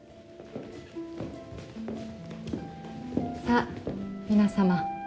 さあ皆様。